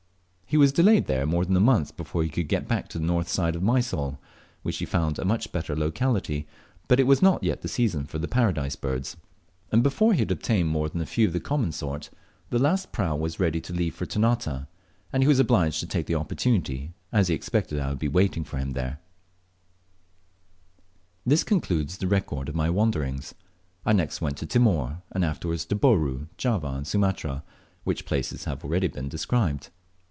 He was delayed there more than a month before he could get back to the north side of Mysol, which he found a much better locality, but it was not yet the season for the Paradise Birds; and before he had obtained more than a few of the common sort, the last prau was ready to leave for Ternate, and he was obliged to take the opportunity, as he expected I would be waiting there for him. This concludes the record of my wanderings. I next went to Timor, and afterwards to Bourn, Java, and Sumatra, which places have already been described.